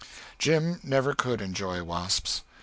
Jim never could enjoy wasps.